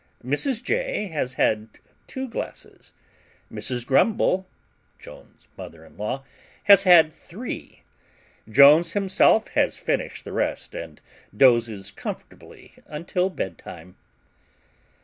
Mrs. J. has had two glasses; Mrs. Grumble (Jones's mother in law) has had three; Jones himself has finished the rest, and dozes comfortably until bed time.